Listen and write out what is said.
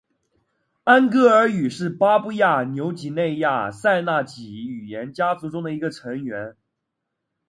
安哥尔语是巴布亚纽几内亚赛纳几语言家族中的一个成员。